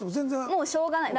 もうしょうがない。